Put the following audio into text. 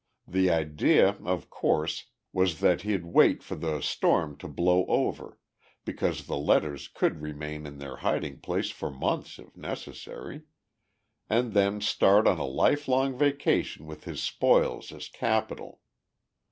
The idea, of course, was that he'd wait for the storm to blow over because the letters could remain in their hiding places for months, if necessary and then start on a lifelong vacation with his spoils as capital.